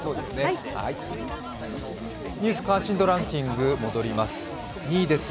「ニュース関心度ランキング」に戻ります。